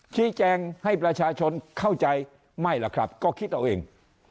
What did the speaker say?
ชี้แจงให้ประชาชนเข้าใจไม่ล่ะครับก็คิดเอาเอง